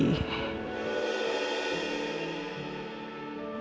aku nggak mau putri mendapat tekanan lagi